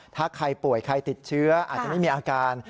ถ้าใครป่วยใครติดเชื้ออาจจะไม่มีอาการ